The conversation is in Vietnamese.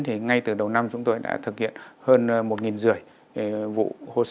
thì ngay từ đầu năm chúng tôi đã thực hiện hơn một dự